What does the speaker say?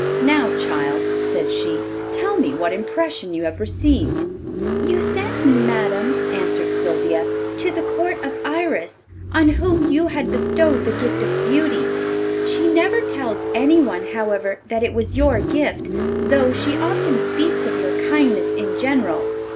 'Now, child,' said she, 'tell me what impression you have received.' 'You sent me, madam,' answered Sylvia, 'to the Court of Iris, on whom you had bestowed the gift of beauty. She never tells anyone, however, that it was your gift, though she often speaks of your kindness in general.